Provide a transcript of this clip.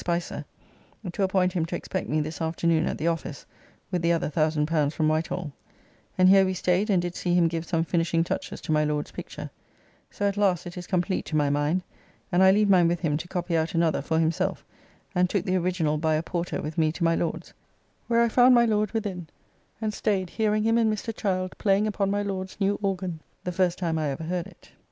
Spicer (to appoint him to expect me this afternoon at the office, with the other L1000 from Whitehall), and here we staid and did see him give some finishing touches to my Lord's picture, so at last it is complete to my mind, and I leave mine with him to copy out another for himself, and took the original by a porter with me to my Lord's, where I found my Lord within, and staid hearing him and Mr. Child playing upon my Lord's new organ, the first time I ever heard it.